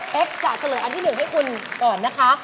จะเฉลยอันที่๑ให้คุณก่อนนะคะ